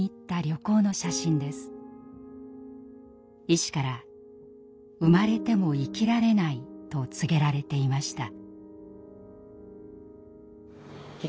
医師から「生まれても生きられない」と告げられていました。